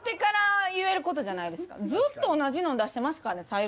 ずっと同じの出してましたからね最後。